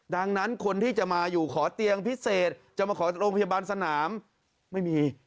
ดังนั้นคนที่จะมาอยู่ขอเตียงพิเศษจะมาขอโรงพยาบาลสนามไม่มี